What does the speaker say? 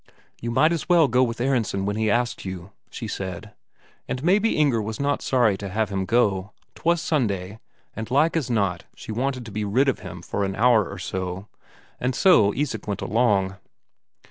"You might as well go with Aronsen, when he asks you," she said. And maybe Inger was not sorry to have him go; 'twas Sunday, and like as not she wanted to be rid of him for an hour or so. And so Isak went along.